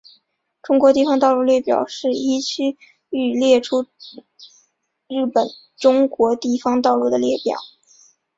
中国地方道路列表是依区域列出日本中国地方道路的列表。